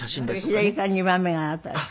左から２番目があなたですか？